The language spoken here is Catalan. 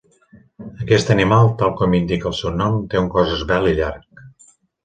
Aquest animal, tal com indica el seu nom, té un cos esvelt i llarg.